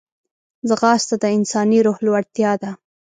ځغاسته د انساني روح لوړتیا ده